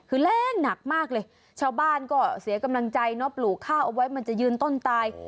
คือแรงหนักมากเลยชาวบ้านก็เสียกำลังใจเนาะปลูกข้าวเอาไว้มันจะยืนต้นตาย